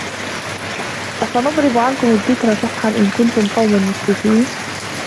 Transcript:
أَفَنَضْرِبُ عَنْكُمُ الذِّكْرَ صَفْحًا أَنْ كُنْتُمْ قَوْمًا مُسْرِفِينَ